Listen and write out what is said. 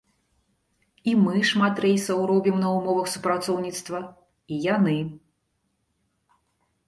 І мы шмат рэйсаў робім на ўмовах супрацоўніцтва, і яны.